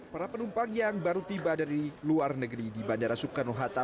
para penumpang yang baru tiba dari luar negeri di bandara soekarno hatta